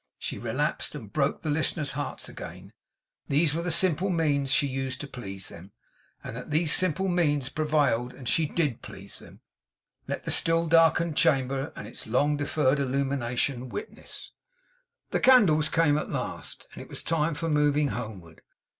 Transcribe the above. she relapsed, and broke the listeners' hearts again; these were the simple means she used to please them. And that these simple means prevailed, and she DID please them, let the still darkened chamber, and its long deferred illumination witness. The candles came at last, and it was time for moving homeward.